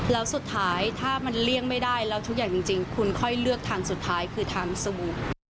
แล้วสุดท้ายถ้ามันเลี่ยงไม่ได้แล้วทุกอย่างจริงคุณค่อยเลือกทางสุดท้ายคือทางสบู่